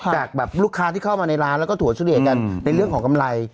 จากแบบลูกค้าที่เข้ามาในร้านแล้วก็ถั่วเฉลี่ยกันในเรื่องของกำไร